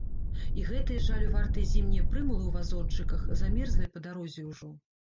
І гэтыя жалю вартыя зімнія прымулы ў вазончыках, замерзлыя па дарозе ўжо.